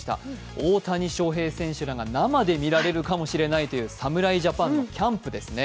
大谷翔平選手らが生で見られるかもしれないという侍ジャパンのキャンプですね。